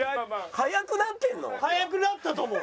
速くなったと思う。